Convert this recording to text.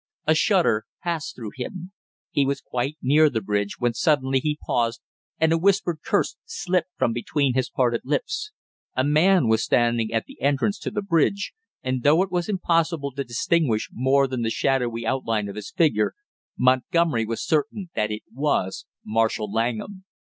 A shudder passed through him. He was quite near the bridge when suddenly he paused and a whispered curse slipped from between his parted lips. A man was standing at the entrance to the bridge and though it was impossible to distinguish more than the shadowy outline of his figure, Montgomery was certain that it was Marshall Langham.